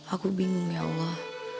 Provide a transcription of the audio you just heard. aku bingung ya allah